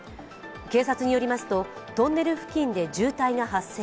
警察によりますと、トンネル付近で渋滞が発生。